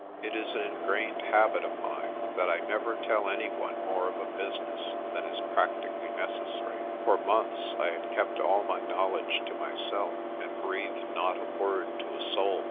It is an ingrained habit of mine that I never tell any one more of a business than is practically necessary. For months I had kept all my knowledge to myself, and breathed not a word to a soul.